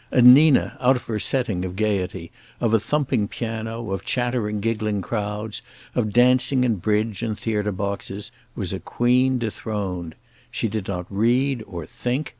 And Nina out of her setting of gaiety, of a thumping piano, of chattering, giggling crowds, of dancing and bridge and theater boxes, was a queen dethroned. She did not read or think.